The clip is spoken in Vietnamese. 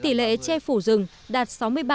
tỷ lệ che phủ rừng đạt sáu mươi ba